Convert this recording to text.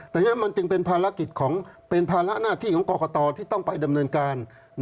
แต่มันจึงเป็นภาระหน้าที่ของกรกฏอที่ต้องไปดำเนินการ